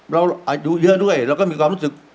เราอายุเยอะด้วยเราก็มีความรู้สึก